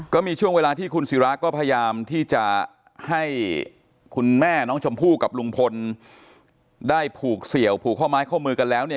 ก็มีช่วงเวลาที่คุณศิราก็พยายามที่จะให้คุณแม่น้องชมพู่กับลุงพลได้ผูกเสี่ยวผูกข้อไม้ข้อมือกันแล้วเนี่ย